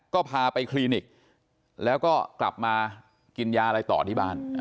ก็พาไปคลินิกแล้วก็กลับมากินยาอะไรต่อที่บ้าน